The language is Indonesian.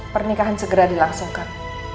pernikahan segera dilangsungkan